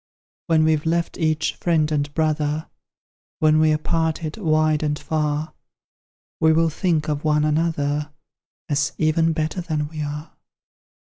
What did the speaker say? When we've left each friend and brother, When we're parted wide and far, We will think of one another, As even better than we are.